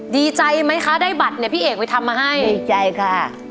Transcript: ดีใจไหมคะได้บัตรเนี่ยพี่เอกไปทำมาให้ดีใจค่ะ